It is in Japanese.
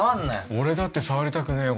俺だって触りたくねえよ